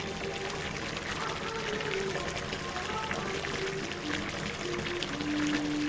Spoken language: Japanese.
「あかるいあしたはだれにでもくる」